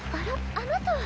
あなたは。